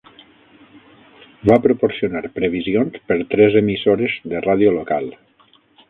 Va proporcionar previsions per tres emissores de ràdio local.